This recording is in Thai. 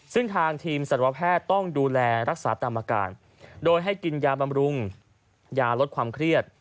ซึ่งทางทีมสัตวแพทย์ต้องดูแลรักษาตามอาการโดยให้กินยาบำรุงยาลดความเครียด